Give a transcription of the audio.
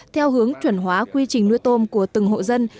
theo hướng chuẩn hóa quy trình nuôi tôm của từng hộ dân